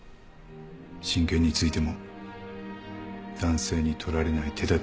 親権についても男性に取られない手だてがある。